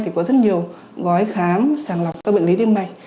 thì có rất nhiều gói khám sàng lọc các bệnh lý tim mạch